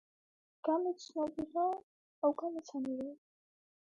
Интересная книга увлекла меня в свой мир, заставляя забыть о времени.